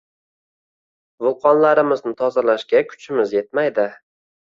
vulqonlarimizni tozalashga kuchimiz yetmaydi.